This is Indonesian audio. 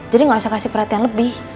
jadi nggak usah kasih perhatian lebih